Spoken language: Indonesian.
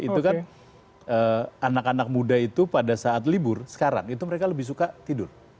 itu kan anak anak muda itu pada saat libur sekarang itu mereka lebih suka tidur